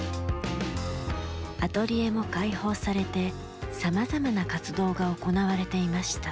アトリエも開放されて、さまざまな活動が行われていました。